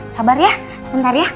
sabar ya sebentar ya